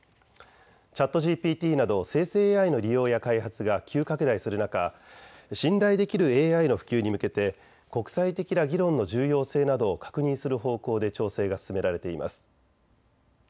ＣｈａｔＧＰＴなど生成ＡＩの利用や開発が急拡大する中、信頼できるＡＩの普及に向けて国際的な議論の重要性などを確認する方向で調整が進められています。